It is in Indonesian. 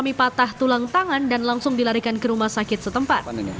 mengalami patah tulang tangan dan langsung dilarikan ke rumah sakit setempat